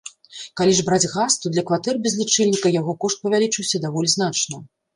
Калі ж браць газ, то для кватэр без лічыльніка яго кошт павялічыўся даволі значна.